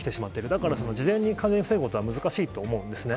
だから、事前に完全に防ぐことは難しいと思うんですね。